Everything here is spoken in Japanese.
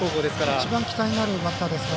一番、期待のあるバッターですから。